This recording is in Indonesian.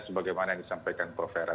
sebagaimana yang disampaikan prof hera